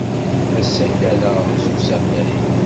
La ssakaleɣ s usafag.